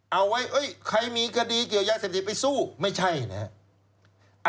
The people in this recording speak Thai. เอาไว้ใครมีคดีเกี่ยวยาเสพติดไปสู้ไม่ใช่นะครับ